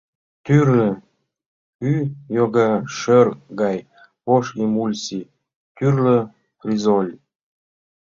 Тӱрлӧ ӱй йога: шӧр гай ош эмульсий, тӱрлӧ фризоль.